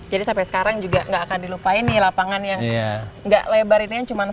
jadi sampai sekarang juga gak akan dilupain nih lapangan yang gak lebar itu yang cuma tiga on tiga